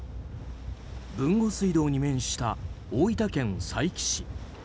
豊後水道に面した大分県佐伯市。